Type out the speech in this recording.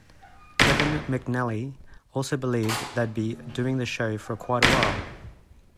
Kevin McNally also believed they'd be doing the show for quite a while.